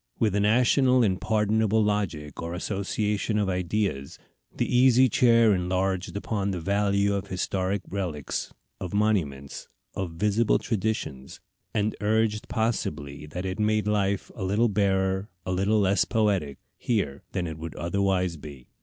With a national and pardonable logic, or association of ideas, the Easy Chair enlarged upon the value of historical relics, of monuments, of visible traditions; and urged possibly that it made life a little barer, a little less poetic, here than it would otherwise be.